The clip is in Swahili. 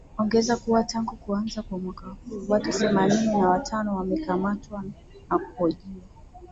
ngeza kuwa tangu kuanza kwa mwaka huu watu themanini na watano wamekamatwa na kuhojiwa